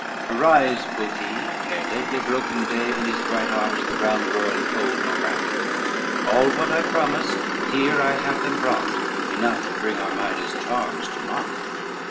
"Arise," quoth he, "ere lately broken day, In his bright arms the round world fold or wrap, All what I promised, here I have them brought, Enough to bring Armida's charms to naught."